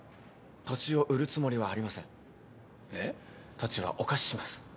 土地はお貸しします。